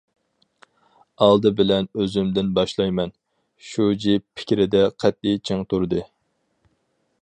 ئالدى بىلەن ئۆزۈمدىن باشلايمەن، -شۇجى پىكرىدە قەتئىي چىڭ تۇردى.